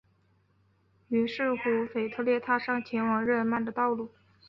于是乎腓特烈踏上前往日尔曼的道路。